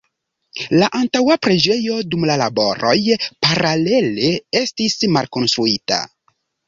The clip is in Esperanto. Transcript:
La antaŭa preĝejo dum la laboroj paralele estis malkonstruita.